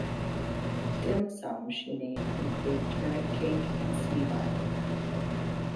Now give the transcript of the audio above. Dim sum she made include turnip cake and siu mai.